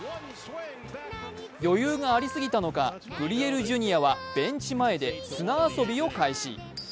余裕がありすぎたのか、グリエルＪｒ．はベンチ前で砂遊びを開始。